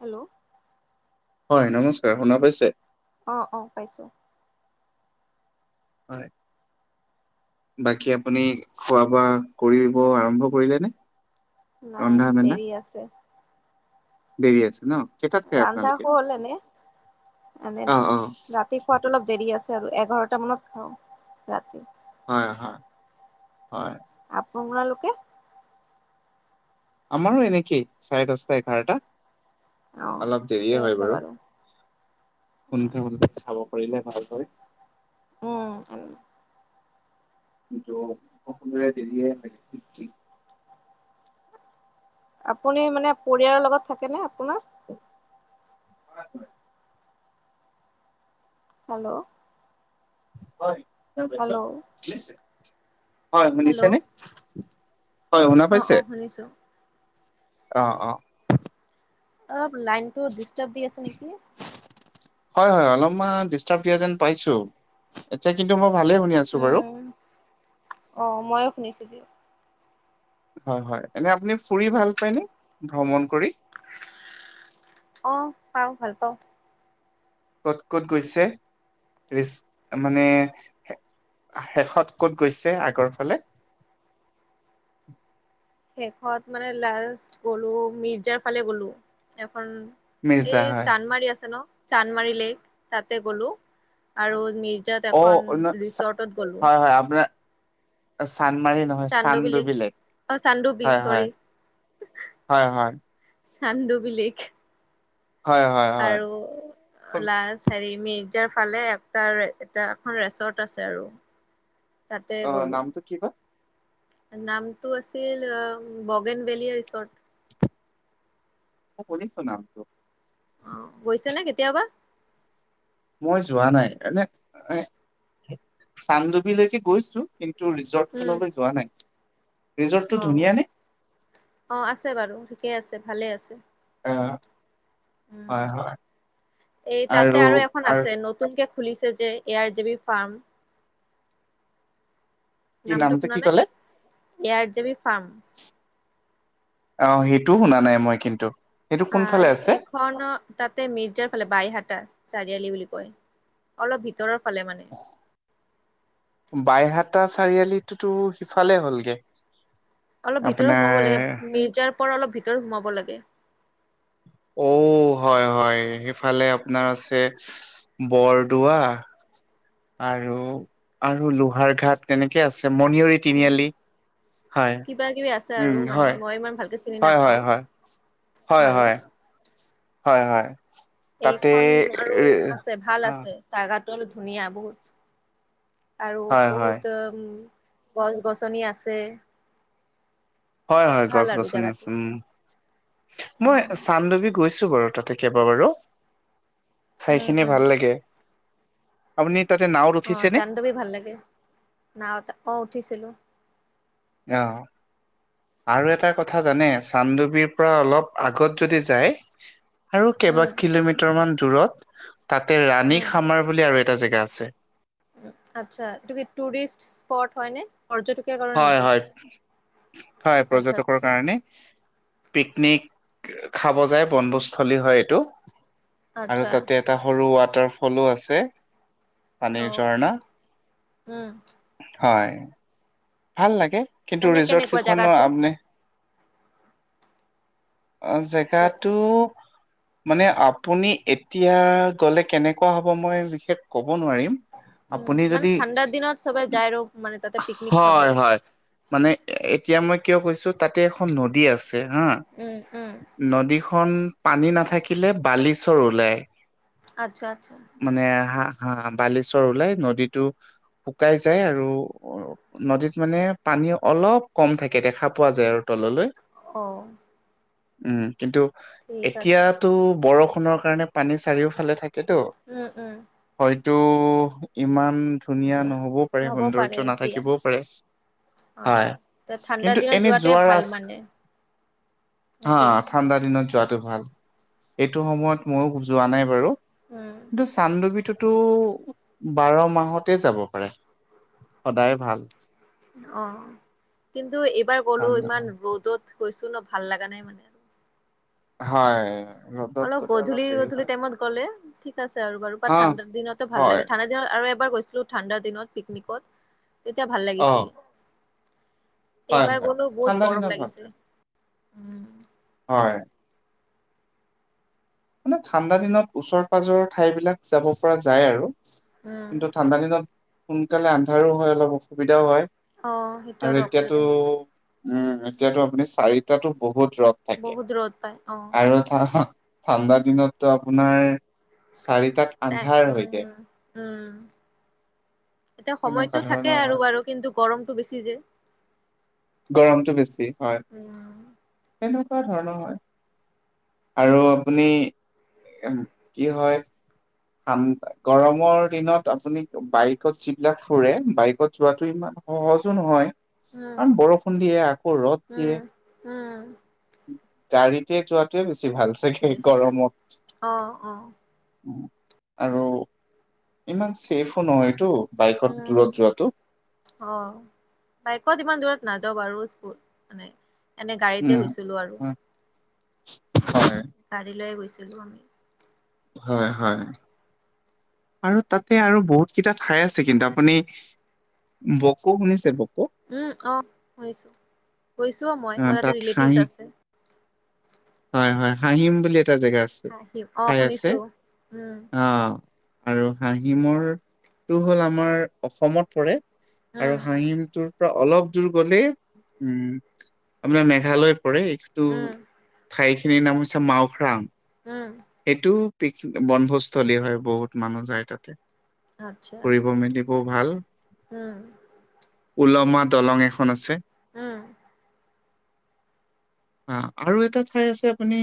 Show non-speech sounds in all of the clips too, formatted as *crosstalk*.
Hello. হয়, নমস্কাৰ শুনা পাইছে। অ', অ', পাইছোঁ। হয়। বাকী আপুনি খোৱা বোৱা কৰিব আৰম্ভ কৰিলে নে। নাই ৰন্ধা মেলা দেৰি আছে। দেৰি আছে ন। কেইটাত খাই ৰন্ধা আপোনালোকে? হ'ল এনে এনে‌ ৰা অ অ ৰাতি খোৱাটো অলপ দেৰি আছে আৰু এঘাৰটা মানত খাওঁ ৰাতি। হয়, হয়, হয়। আপোনালোকে আমাৰো এনেকেই চাৰে দহটা এঘাৰটা। অ অলপ ঠিকে দেৰিয়ে হয় আছে বাৰু সুনকে খাব কৰিলে ভাল হয়। উম। *unintelligible* আপুনি মানে পৰিয়ালৰ লগত থাকেনে আপোনাৰ। *inaudible* হেল্ল'। হয় শুনা পাইছোঁ, হেল্ল' হয় হেল্ল' শুনিছেনে। হয়, শুনা অ পাইছে অ শুনিছো অঁ অঁ অলপ লাইনতটো ডিষ্টাৰ্ব দি আছে নেকি? হয় হয় অলপমান ডিষ্টাৰ্ব দিয়া যেন পাইছো, এতিয়া কিন্তু মই ভালেই শুনি আছো বাৰু। উম অ ময়ে শুনিছো দেই হয় হয়, এনে আপুনি ফুৰি ভাল পায়নে ভ্ৰমণ কৰি অঁ পাওঁ, ভাল পাওঁ। ক'ত ক'ত গৈছে? ৰিছ মানে শেষত ক'ত গৈছে আগৰ ফালে? শেষত মানে লাষ্ট গ'লো মিৰ্জাৰ ফালে গ'লো, এখন মিৰ্জা এই হয় চান্দমাৰি আছে ন, চান্দমাৰি লেক তাতে গলো আৰু নি অ' নহয় ছা হয় হয় আপোনাৰ চান্দমাৰী নহয়, চান্দডুবি লেক অ চান্দুবি হয় হয়। চৰি হয় হয়। চান্দডুবি লেক। হয় হয়। হয় আৰু খুব লাষ্ট হেৰি মিৰ্জাৰ ফালে এটা এটা এখন ৰেচৰ্ট আছে আৰু। তাতে অ গ'লো। নামটো কি বা নামটো আছিল বগেনভেলিয়া ৰিচৰ্ট। অ শুনিছোঁ নামটো। অঁ গৈছে নে কেতিয়াবা? মই যোৱা নাই এনে চান্দডুবি লৈকে গৈছো কিন্তু ৰি জৰ্টখন উম ফালেলৈ যোৱা নাই, ৰিজৰ্টটো ধুনীয়া নে? অঁ, আছে বাৰু ঠিকে আছে ভালে আছে। অঁ উম, এই তাতে আৰু এখন আছে, ন তুনকে খুলিছে যে ইয়াৰ যিবি ফাৰ্ম। কি নামটো শুনা কি নাই ক'লে এয়াৰ জি বি ফাৰ্ম। অঁ সেইটোও শুনা নাই মই কিন্তু। সেইটো কোনফালে হয়, আছে? এক খন তাতে মিৰ্জাৰ ফালে বাইহাটা চাৰিআলি বুলি কয় অলপ ভিতৰৰ ফালে মানে। *inaudible* বাইহাটা চাৰিআলিতো সিফালে হ'লগে। অলপ ভিতৰ আপোনাৰ সোমাব লাগে, মিৰ্জাৰ পৰা অলপ ভিতৰত সোমাব লাগে। অ হয় হয় সেইফালে আপোনাৰ আছে বৰদোৱা আৰু আৰু লোহাৰ ঘাট তেনেকে আছে মণিয়ৰিত উম তিনিআলি, হয় কিবা কিবি আছে আৰু উম মানে হয় মই ইমান ভালকে চিনি হয় নাপাও হয় হয়। হয় বাৰু হয়। হয় হয়। তাতে এইখন আৰু আছে ভাল আছে। জাগাটো অলপ ধুনীয়া বহুত আৰু হয় হয় বহুত উম গছ গছনি আছে। হয় হয় ভাল গছ আৰু গছনি আছে, জেগাটো উম মই উম চানডুবি গৈছো বাৰু তাতে কেইবাবাৰু, উম ঠাইখিনিয়ে উম ভাল লাগে। আপুনি তাতে নাওঁত উঠিছেনে? চবে ভাল লাগে। নাওঁত আক উঠিছিলোঁ। অঁ আৰু এটা কথা জানে চান্দুবিৰ পৰা অলপ আগত যদি যায়। আৰু কেইবা উম কিলোমিটাৰ মান দূৰত তাতে ৰাণী উম খামাৰ বুলি আৰু এটা জেগা আছে। আচ্ছা তুমি টুৰিষ্ট স্পট হয়নে? পৰ্যটকে হয় হয় হয় আচ্ছা পৰ্যটকৰ আচ্ছা কাৰণে। পিকনিক খাব যায় বনভোজস্থলী হয় এইটো। আৰু আচ্ছা তাতে এটা সৰু ৱাটাৰফলো আছে। অ পানীৰ ঝৰ্ণা উম হয়। ভাল লাগে কিন্তু এনে ৰিজৰ্ট কেনেকুৱা কেইখনৰ জেগাটো আ অ জেগাটো মানে আপুনি এতিয়া গলে কেনেকুৱা হ'ব মই বিশেষ ক'ব নোৱাৰিম। উ আপুনি মানে যদি ঠাণ্ডাৰ দিনত সবে যায় আৰু মানে তাতে পিকনিক খাব হয় হয় মানে এতিয়া মই কিয় কৈছো তাতে এখন নদী আছে হা উম উম নদীখন পানী নাথাকিলে বালিচৰ ওলায়। আচ্ছা আচ্ছা। মানে হা হা বালেশ্বৰ ওলাই নদীতটো শুকাই যায় আৰু নদীত মানে পানী অলপ কম থাকে দেখা পোৱা যায় আৰু তললৈ অঁ উম কিন্তু আছে এতিয়াতো বৰষুণৰ কাৰণে পানী চাৰিওফালে থাকে। কিটো উম উম হয়তো ইমান ধুনীয়া নহ'বও পাৰে নহ'ব সৌন্দৰ্য এতিয়া নাথাকিব ও আচ্ছা ত ঠাণ্ডাৰ কিন্তু দিনত এনে যোৱা যোৱাটোৱেই ভাল ৰাচ মানে। হা তাকেই ঠাণ্ডা দিনত যোৱাতটো ভাল। এইটো সময়ত ময়ো যোৱা নাই বাৰু। উম কিন্তু চান্দবিটোতো বাৰ মাহতে যাব পাৰে সদায় ভাল। অ কিন্তু এইবাৰ গ'লো চানডুবি ইমান ৰ'দত গৈছো ন ভাল লগা নাই মানে। হয় ৰ'দত অলপ গ'লে গধূলি হেৰি গধূলি হয় টাইমত গ'লে ঠিক আছে আৰু বাৰু বা হা ঠাণ্ডা দিনতো ভাল হয় লাগে ঠাণ্ডা আৰু এবাৰ গৈছিলোঁ ঠাণ্ডাৰ দিনত পিকনিকত তেতিয়া ভাল অ লাগিছিল। হয় এইবাৰ হয় গলো বহুত ঠাণ্ডা গৰম দিনত ভাল লাগে লাগিছিলে। হয় মানে ঠাণ্ডা দিনত ওচৰ পাজৰৰ ঠাই বিলাক যাব পৰা যায় আৰু। উম কিন্তু ঠাণ্ডা দিনত সোনকালে আন্ধাৰো হয় অলপ অসুবিধাও হয়। অ সেইটো আৰু এতিয়াতো অসুবিধা হয় উম এতিয়াতো আপুনি চাৰিটাতো বহুত ৰ'দ। তাকে বহুত ৰ'দ পায় অ আৰু ঠা ঠা ঠাণ্ডা দিনতটো আপোনাৰ চাৰিটাত তাই আন্ধাৰ হৈ যায়। উম উম এতিয়া তেনেকুৱা সময়তটো থাকে ধৰণৰ আৰু হয়, বাৰু কিন্তু গৰমতটো বেছি যে। গৰমতটো বেছি হয় উম সনেকুৱা ধৰণৰ হয়। আৰু আপুনি কি হয়? ঠা গৰমৰ দিনত আপুনি বাইকত যিবিলাক ফুৰে বাইকত যোৱাটো ইমান সহজো নহয়। উম কাৰণ বৰষুণ দিয়ে আকৌ ৰ'দ উম উম দিয়ে। গাড়ীতে যোৱাত টোয়ে বেছি ভাল চাগে বেছি ভাল গৰমত। অ অ আৰু ইমান চছেফো নহয়টো বাইকত উম দূৰত যোৱাটো। অ বাইকত ইমান দূৰত নাযাওঁ বাৰু স্কুল মানে এনে গাড়ীতে উম, গৈছিলো আৰু। হয়, গাড়ী লয়ে গৈছিলো আমি। হয় হয়। আৰু তাতে আৰু বহুত কেইটা ঠাই আছে কিন্তু আপুনি বকো শুনিছে বক উ অ শুনিছোঁ গৈছোও মই অ, মোৰ তাত তাতে ৰিলেটিভছ হাঁহি আছে। হয় হয় হাঁহিম বুলি এটা জেগা আছে, হাঁহি অ ঠাই আছে শুনিছো উম অ। আৰু হাঁহিমৰটো হ'ল আমাৰ অসমত পৰে আৰু উম হাঁহিমটোৰ অলপ দূৰ গ'লে উম আপোনাৰ মেঘালয় পৰে এইটো উম সেইখিনিৰ নাম হৈছে মাওখ্ৰাম। উম। সেইটো পিক বনভোজস্থলী হয় বহুত মানুহ যায় তাতে আচ্ছা ফুৰিব মেলিব। ব ভাল উম। উলমা দলং এখন আছে। উম। অ আৰু এটা ঠাই আছে আপুনি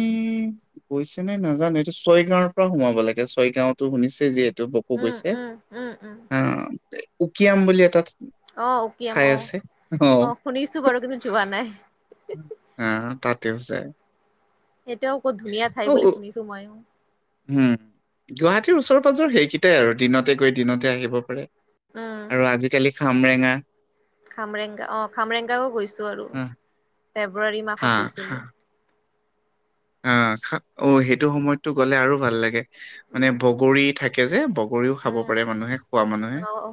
গৈছেনে ন জানো এইটো ছয় গাঁৱৰ পৰাও সোমাব লাগে, ছয় গাঁওতো শুনিছে যিহেতু উম গৈছে। উম উম উম আহ উকিয়াম বুলি এটা অ উকিম ঠাই অ, আছে অ শুনিছো বাৰু কিন্তু যোৱা নাই। আহ তাতেও যায়। সেইটোও ক'ত ধুনীয়া ঠাই অ বুলি উ- শুনিছো মইও। উম গুৱাহাটীৰ ওচৰ পাজৰ সেইকেইটাই আৰু দিনতে গৈ দিনতে আহিব পাৰে। উম আৰু আজিকালি খামৰেঙা। খামৰেংগা অ, খামৰেংগাও গৈছো আৰু আহ, ফেব্ৰুৱাৰী হা মাহত হৈছিলো। অ খা, অ সেইটো সময়তটো গ'লে আৰু ভাল লাগে মানে উম বগৰী থা কে যে বগৰীও খাব উম পাৰে মানুহে খোৱা মানুহে। অ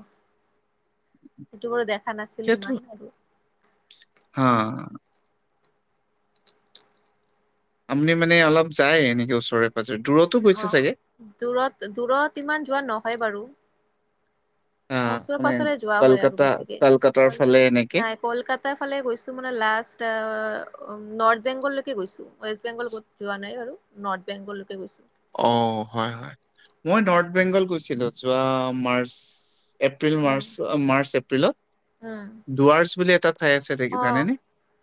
সেইটো বাৰু দেখা নাছিলো ইমান আৰু। অ আপুনি মানে অলপ যায় এনেকে ওচৰে পাজৰে, দূৰতো অ গৈছে চাগে? দূৰত দূৰত ইমান যোৱা নহয় বাৰু। আহ ওচৰে মানে পাজৰে যোৱা হয় আৰু কলকাতা বেছিকে। কলকাতাৰ ফালে এনেকে নাই কলকাতাৰ ফালে গৈছো মানে লাষ্ট নৰ্থ বেংগললৈকে গৈছো, ৱেষ্ট বেংগল যোৱা নাই বাৰু নৰ্থ বেংগলৈকে গৈছোঁ। অ হয় হয় মই নৰ্থ বেংগল গৈছিলো যোৱা মাৰ্চ এপ্ৰিল উম মাৰ্চ, মাৰ্চ এপ্ৰিলত। উম দুৱাৰছ বুলি এটা ঠাই আছে দে অ জানে নে?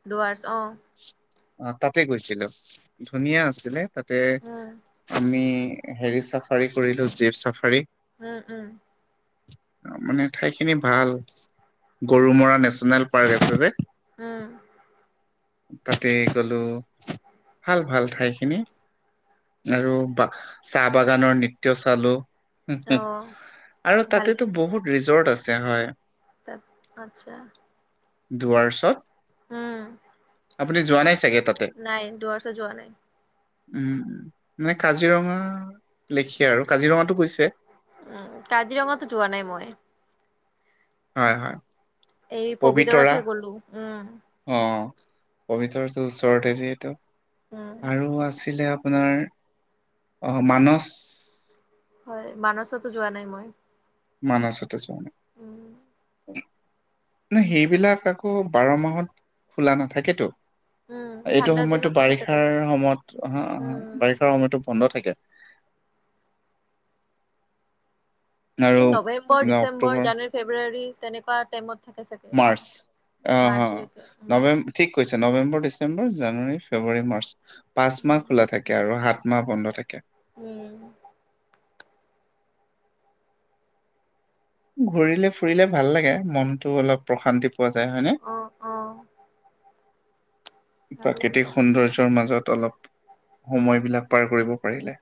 ডুৱাৰ্চ অ অ তাতে গৈছিলো। ধুনিয়ীয়া আছিলে তাতে উম আমি হেৰি চাফাৰী কৰিলো জীপ চাফাৰী উম উম। মানে ঠাইখিনি ভাল গৰুমৰা নেশচনেল পাৰ্ক আছে যে- উম তাতে গলো ভাল ভাল ঠাইখিনি। আৰু বা চাহ বাগানৰ নৃত্য চালোঁ। অ আৰু ভালে তাতেতো বহুত ৰিজৰ্ট আছে হয়। তাত আচ্ছা দুৱাৰছত উম আপুনি যোৱা নাই চাগে তাত। নাই দুৱাৰ চ যোৱা নাই। উম কাজিৰঙা লেখে আৰু কাজিৰঙাতো গৈছে? উম কাজিৰঙাটো যোৱা নাই মই। হয় হয় এই পবিতৰা পবিতৰাতেহে গ'লো উম অ পবিতৰটো ওচৰতে যিহেতু। উম, আৰু আছিলে আপোনাৰ আহ মানস হয় মানছতো যোৱা নাই মই। মানছতো যোৱা নাই। উম নাই সেইবিলাক আকৌ বাৰ মাহত খোলা নাথাকেতো। উম, এইটো ঠাণ্ডাৰ সময়তটো দিনত থাকে চাগে। বাৰিষাৰ সময়ত উম, বাৰিষাৰ সময়তো বন্ধ থাকে। আৰু এই নৱেম্বৰ, আপোনাৰ ডিচেম্বৰ, অক্টোবৰ জানুৱাৰী, ফেব্ৰুৱাৰী তেনেকুৱা টাইমত। থাকে চাগে। মাৰ্চ অ অ মাৰ্চলৈকে উম, নবেম ঠিক কৈছে নৱেম্বৰ, ডিচেম্বৰ, জানুৱাৰী, ফেব্ৰুৱাৰী, মাৰ্চ পাঁচ উম, মাহ খোলা থাকে আৰু হাত- মা বন্ধ থাকে উম ঘুৰিলে ফুৰিলে ভাল লাগে মনটো অলপ প্ৰশান্তি পোৱা যায় হয়নে? অ', অ', ভাল লাগে। প্ৰাকৃতিক সৌন্দৰ্যৰ মাজত অলপ সময় বিলাক পাৰ কৰিব পাৰিলে।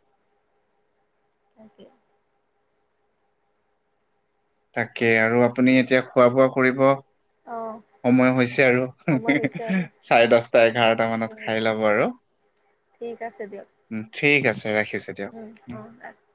তাকে তাকে আৰু আপুনি এতিয়া খোৱা বোৱা কৰিব অ সময় হৈছে আৰু সময় হৈছে আৰু চাৰে দশটা এঘাৰটা মানত উম, খাই লব আৰু ঠিক আছে দিয়ক উম ঠিক আছে ৰাখিছোঁ। উম, অ